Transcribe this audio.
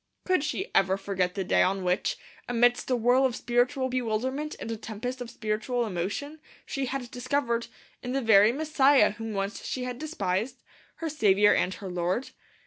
Could she ever forget the day on which, amidst a whirl of spiritual bewilderment and a tempest of spiritual emotion, she had discovered, in the very Messiah whom once she had despised, her Saviour and her Lord?